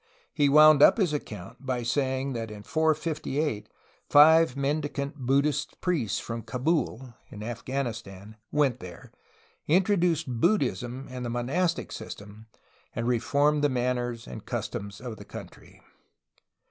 He wound up his account by saying that in 458 five mendi cant Buddhist priests from Cabul (Afghanistan) went there, introduced Buddhism and the monastic system, and re formed the manners and customs of the country.